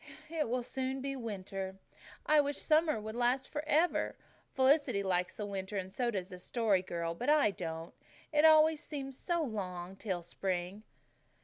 "It will soon be winter. I wish summer could last forever. Felicity likes the winter, and so does the Story Girl, but I don't. It always seems so long till spring."